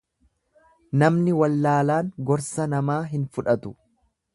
Namni wallaalaan gorsa namaa hin fudhatu.